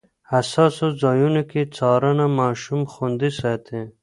حساسو ځایونو کې څارنه ماشوم خوندي ساتي.